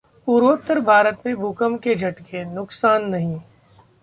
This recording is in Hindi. पूर्वोत्तर भारत में भूकंप के झटके, नुकसान नहीं